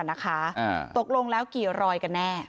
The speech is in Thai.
ตกลงแล้วกี่รอยกันแน่